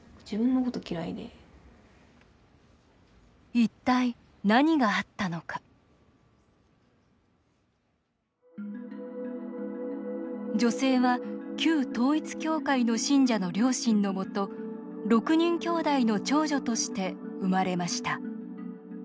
一体、何があったのか女性は旧統一教会の信者の両親のもと６人きょうだいの長女として生まれました。